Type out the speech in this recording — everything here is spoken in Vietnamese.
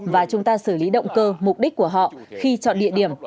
và chúng ta xử lý động cơ mục đích của họ khi chọn địa điểm